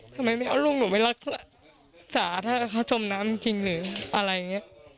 ทำไมไม่เอาลูกหนูไปรักษาถ้าเขาจมน้ำจริงหรืออะไรอย่างนี้